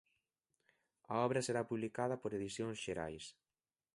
A obra será publicada por Edicións Xerais.